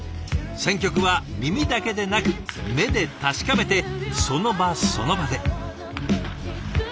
選曲は耳だけでなく目で確かめてその場その場で。